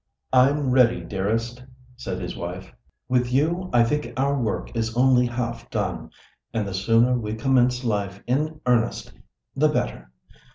"I'm ready, dearest," said his wife. "With you, I think our work is only half done, and the sooner we commence life in earnest the better.